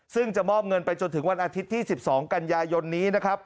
ซึ่งจะมอบเงินไปจนถึงวันอาทิตย์ที่๑๒กันยายนนี้นะครับ